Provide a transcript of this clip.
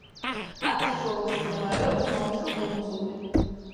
არხის შუაგულში მდებარეობს მომცრო კუნძული.